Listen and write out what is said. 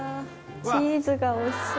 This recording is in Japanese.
チーズがおいしそう。